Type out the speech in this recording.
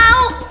gak mau tatap